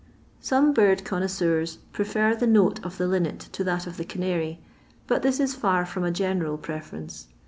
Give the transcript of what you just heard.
Some bifd connoissenn prefer the note of the lomet to that of the canary, but this is fitf from a ge&cnl prefinrenoe.